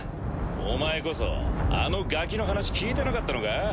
お前こそあのガキの話聞いてなかったのか？